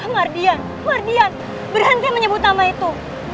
mardian mardian berhenti menyebut nama itu